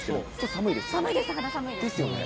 寒いですよね。